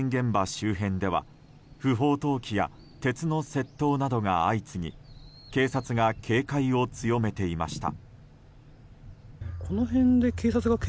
周辺では不法投棄や鉄の窃盗などが相次ぎ警察が警戒を強めていました。